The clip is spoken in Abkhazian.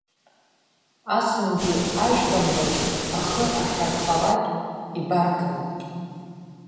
Асынтәи ажәкамбашь ахы ахьархалак ибарҭан.